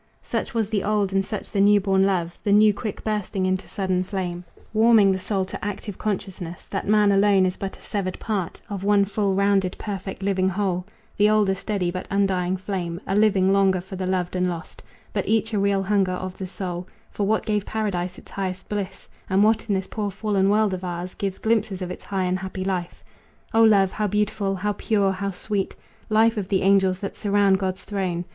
Such was the old and such the new born love; The new quick bursting into sudden flame, Warming the soul to active consciousness That man alone is but a severed part Of one full, rounded, perfect, living whole; The old a steady but undying flame, A living longing for the loved and lost; But each a real hunger of the soul For what gave paradise its highest bliss, And what in this poor fallen world of ours Gives glimpses of its high and happy life. O love! how beautiful! how pure! how sweet! Life of the angels that surround God's throne!